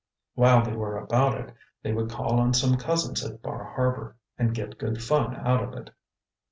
While they were about it, they would call on some cousins at Bar Harbor and get good fun out of it.